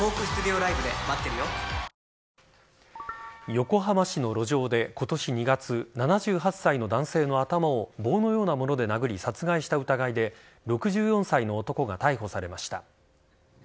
横浜市の路上で、今年２月７８歳の男性の頭を棒のようなもので殴り殺害した疑いで６４歳の男が逮捕されました。